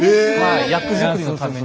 役作りのために。